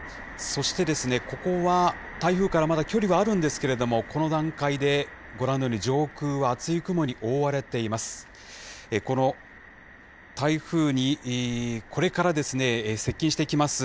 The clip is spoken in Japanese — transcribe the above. そして、ここは台風からまだ距離はあるんですけれども、この段階でご覧のように、上空は厚い雲に覆われています。